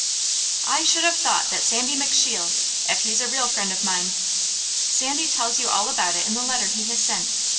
"I should have thought that Sandy McSheel, if he's a real friend of mine " "Sandy tells you all about it in the letter he has sent.